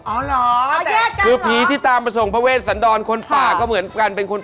อ๋อเหรอแต่คือผีที่ตามมาส่งพระเวทย์สันดรคนป่าก็เหมือนกัน